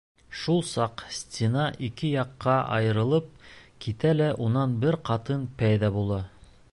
Шул саҡ стена ике яҡҡа айырылып китә лә унан бер ҡатын пәйҙә була.